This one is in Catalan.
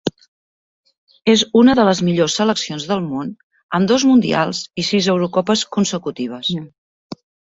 És una de les millors seleccions del món, amb dos Mundials i sis Eurocopes consecutives.